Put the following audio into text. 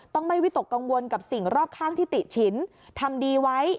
ไม่วิตกกังวลกับสิ่งรอบข้างที่ติฉินทำดีไว้